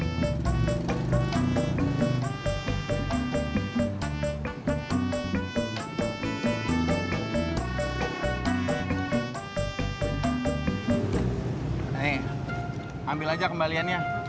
neng ambil aja kembaliannya